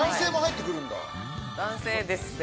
男性です。